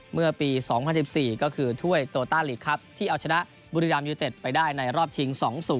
เมื่อปี๒๐๑๔ก็คือถ้วยโตต้าลีกครับที่เอาชนะบุรีรัมยูเต็ดไปได้ในรอบชิง๒๐